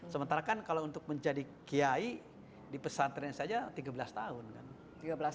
sementara kan kalau untuk menjadi kiai di pesantren saja tiga belas tahun kan